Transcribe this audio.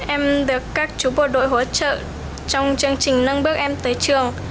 em được các chú bộ đội hỗ trợ trong chương trình nâng bước em tới trường